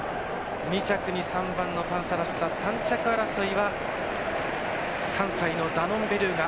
２着に３番のパンサラッサ３着争いは３歳のダノンベルーガ。